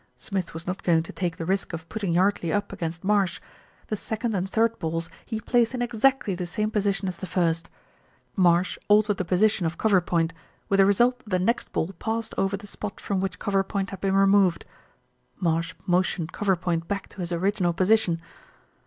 Smith was not going to take the risk of putting Yardley up against Marsh. The second and third balls he placed in exactly the same position as the first. Marsh altered the position of cover point, with the result that the next ball passed over the spot from which cover point had been removed. Marsh motioned cover point back to his original position.